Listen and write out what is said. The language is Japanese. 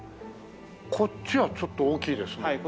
こっちはちょっと大きいですね。